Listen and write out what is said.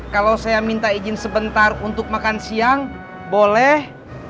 kalau saya minta izin sebentar untuk makan siang boleh